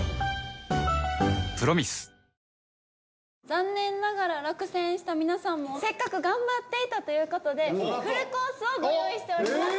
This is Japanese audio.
残念ながら落選した皆さんもせっかく頑張っていたという事でフルコースをご用意しております。